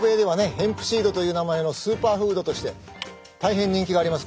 ヘンプシードという名前のスーパーフードとして大変人気があります